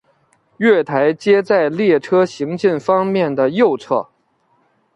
月台皆在列车行进方面的右侧。